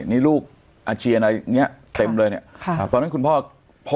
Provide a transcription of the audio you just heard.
นี่ลูกอาเจียนอะไรเต็มเลยเนี้ยค่ะตอนนั้นคุณพ่อ